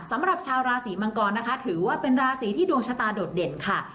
สำหรับชาวราศีมังกรนะคะถือว่าเป็นราศีที่ดวงชะตาโดดเด่นค่ะ